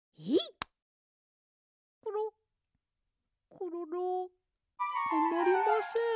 コロロ？はまりません。